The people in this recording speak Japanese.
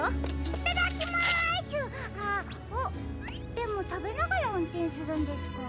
でもたべながらうんてんするんですか？